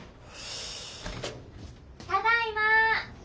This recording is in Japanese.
・ただいま！